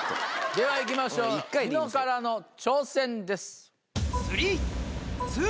ではいきましょうニノからの挑戦です。